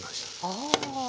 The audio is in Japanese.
ああ。